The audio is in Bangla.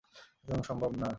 সুতরাং সম্ভব না।